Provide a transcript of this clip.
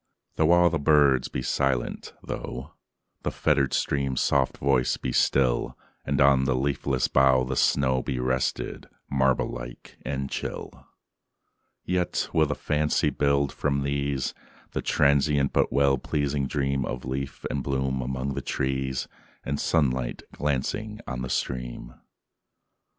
Though all the birds be silent,—thoughThe fettered stream's soft voice be still, And on the leafless bough the snowBe rested, marble like and chill,—Yet will the fancy build, from these, The transient but well pleasing dreamOf leaf and bloom among the trees, And sunlight glancing on the stream.